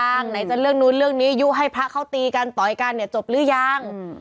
ไหนจะเรื่องนู้นเรื่องนี้ยุให้พระเขาตีกันต่อยกันเนี่ยจบหรือยัง